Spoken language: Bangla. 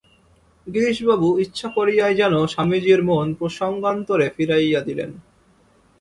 গিরিশবাবু ইচ্ছা করিয়াই যেন স্বামীজীর মন প্রসঙ্গান্তরে ফিরাইয়া দিলেন।